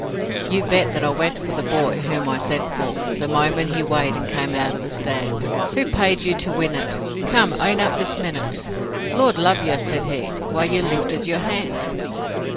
'You bet that I went for the boy, whom I sent for The moment he weighed and came out of the stand 'Who paid you to win it? Come, own up this minute.' 'Lord love yer,' said he, 'why you lifted your hand.'